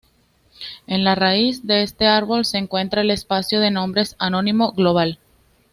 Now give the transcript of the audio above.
En la raíz de este árbol se encuentra el espacio de nombres anónimo global.